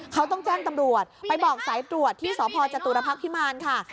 เขาต้องแจ้งตำรวจไปบอกสายตรวจที่สพจตุรพักษ์พิมารค่ะ